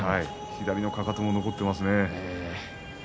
左のかかとも残っていますね。